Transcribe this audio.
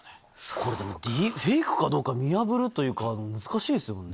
これでも、フェイクかどうか見破るというのは、難しいですよね。